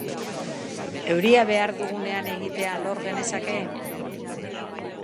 Euria behar dugunean egitea lor genezake?